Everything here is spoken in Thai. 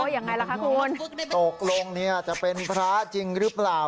ยังไงล่ะคะคุณตกลงเนี่ยจะเป็นพระจริงหรือเปล่า